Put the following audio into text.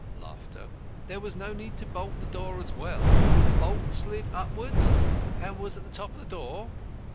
There was no need to bolt the door as well. The bolt slid upwards, and was at the top of the door.